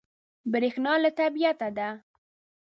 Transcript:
برېښنا له طبیعت ده.